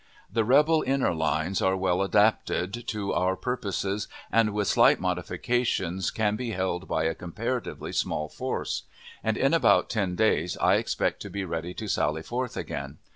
The rebel inner lines are well adapted to our purpose, and with slight modifications can be held by a comparatively small force; and in about ten days I expect to be ready to sally forth again.